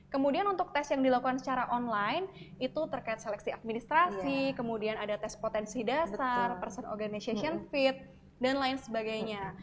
kemudian untuk tes yang dilakukan secara online itu terkait seleksi administrasi kemudian ada tes potensi dasar person organization feed dan lain sebagainya